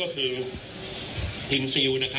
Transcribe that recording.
คุณผู้ชมไปฟังผู้ว่ารัฐกาลจังหวัดเชียงรายแถลงตอนนี้ค่ะ